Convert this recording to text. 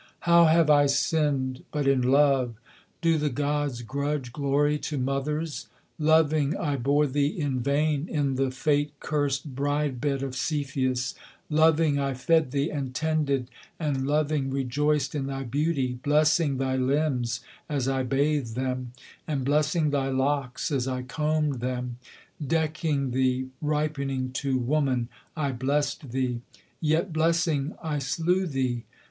How have I sinned, but in love? Do the gods grudge glory to mothers? Loving I bore thee in vain in the fate cursed bride bed of Cepheus, Loving I fed thee and tended, and loving rejoiced in thy beauty, Blessing thy limbs as I bathed them, and blessing thy locks as I combed them; Decking thee, ripening to woman, I blest thee: yet blessing I slew thee!